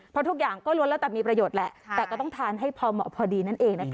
เพราะทุกอย่างก็ล้วนแล้วแต่มีประโยชน์แหละแต่ก็ต้องทานให้พอเหมาะพอดีนั่นเองนะคะ